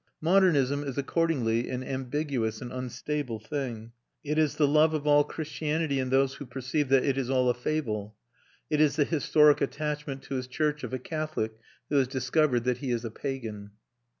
Modernism is accordingly an ambiguous and unstable thing. It is the love of all Christianity in those who perceive that it is all a fable. It is the historic attachment to his church of a Catholic who has discovered that he is a pagan.